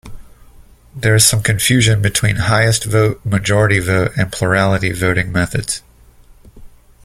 There is some confusion between highest vote, majority vote and plurality voting methods.